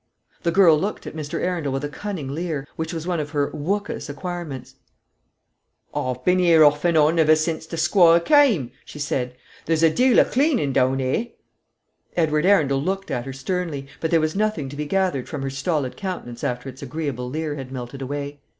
The girl looked at Mr. Arundel with a cunning leer, which was one of her "wuk us" acquirements. "Aw've bin here off an' on ever since t' squire ke ame," she said. "There's a deal o' cleanin' down 'ere." Edward Arundel looked at her sternly; but there was nothing to be gathered from her stolid countenance after its agreeable leer had melted away.